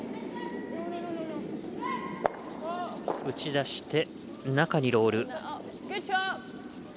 打ち出して中にロール。